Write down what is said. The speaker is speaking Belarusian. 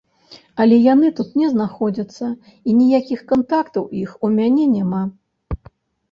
Але яны тут не знаходзяцца і ніякіх кантактаў іх у мяне няма.